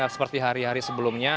seperti hari hari sebelumnya